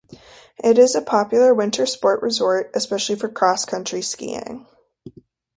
It is a popular winter sports resort, especially for cross country skiing.